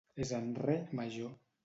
És en re major.